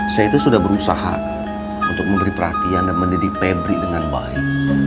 saya itu sudah berusaha untuk memberi perhatian dan mendidik pebri dengan baik